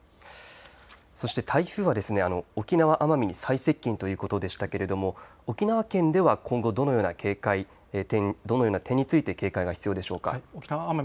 そして台風は沖縄・奄美に再接近ということでしたが沖縄県では今後、どのような点について警戒が必要でしょうか。